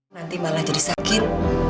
nanti malah jadi sakit